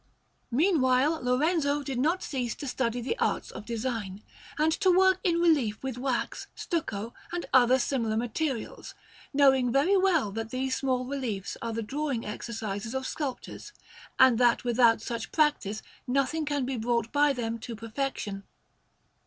Meanwhile Lorenzo did not cease to study the arts of design, and to work in relief with wax, stucco, and other similar materials, knowing very well that these small reliefs are the drawing exercises of sculptors, and that without such practice nothing can be brought by them to perfection.